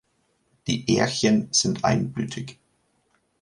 Die Ährchen sind einblütig.